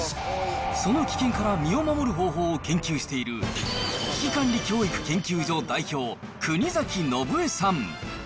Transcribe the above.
その危険から身を守る方法を研究している、危機管理教育研究所代表、国崎信江さん。